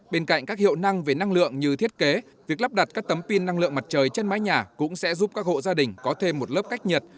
bên cạnh các hiệu năng về năng lượng như thiết kế việc lắp đặt các tấm pin năng lượng mặt trời trên mái nhà cũng sẽ giúp các hộ gia đình có thêm một lớp cách nhiệt